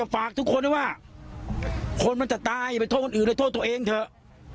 ฝากทุกคนด้วยว่าคนมันจะตายอย่าไปโทษคนอื่นเลยโทษตัวเองเถอะ